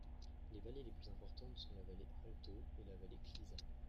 Les vallées les plus importantes sont la vallée Alto et la vallée Cliza.